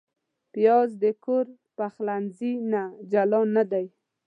پیاز د کور پخلنځي نه جلا نه دی